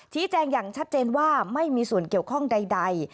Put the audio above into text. แจ้งอย่างชัดเจนว่าไม่มีส่วนเกี่ยวข้องใด